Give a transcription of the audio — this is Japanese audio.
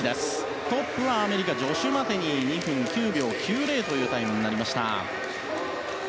トップはアメリカジョシュ・マテニー２分９秒９０というタイムになりました。